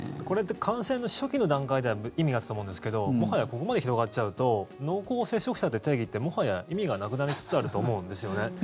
これって感染の初期の段階では意味があったと思うんですけどもはや、ここまで広がっちゃうと濃厚接触者っていう定義ってもはや意味がなくなりつつあると思うんですよね。